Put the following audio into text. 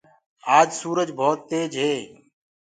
آج سُورج ڀوت تيج هي۔